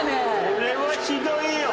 これはひどいよ！